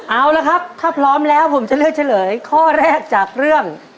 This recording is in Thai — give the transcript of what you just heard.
เอาละครับถ้าพร้อมแล้วผมจะเลือกเฉลยข้อแรกจากเรื่อง